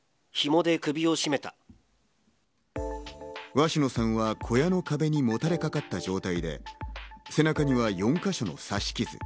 鷲野さんは小屋の壁にもたれかかった状態で、背中には４か所の刺し傷。